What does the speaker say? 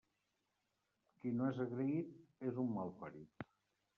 Qui no és agraït, és un malparit.